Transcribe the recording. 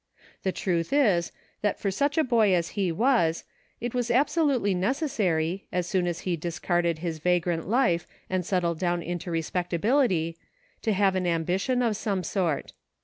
The truth is, that for such a boy as he was, it was absolutely necessary, as soon as he discarded his vagrant life and settled down into respectability, to have an ambition of some sort.